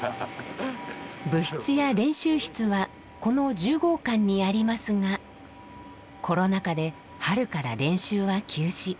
部室や練習室はこの１０号館にありますがコロナ禍で春から練習は休止。